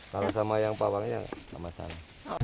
kalau sama yang pawangnya sama saya